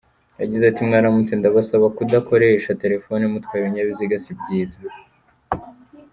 Yagize ati “Mwaramutse, ndabasaba kudakoresha telefone mutwaye ibinyabiziga, si byiza.